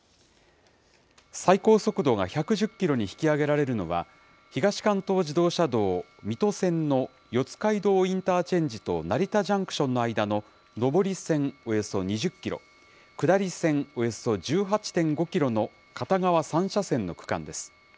最高速度が１１０キロに引き上げられるのは、東関東自動車道水戸線の四街道インターチェンジと成田ジャンクションの間の上り線およそ２０キロ、下り線およそ１８．５キロの片側３車線の区間です。